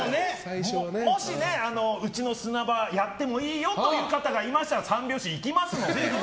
もしうちの砂場やってもいいよという方がいましたら三拍子、行きますので。